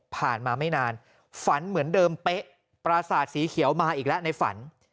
ผ่านมาไม่นานฝันเหมือนเดิมเป๊ะปราสาทสีเขียวมาอีกแล้วในฝัน